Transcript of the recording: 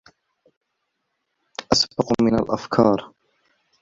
أسبق من الأفكار